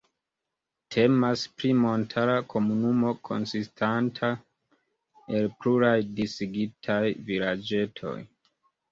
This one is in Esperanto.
Temas pri montara komunumo, konsistanta el pluraj disigitaj vilaĝetoj.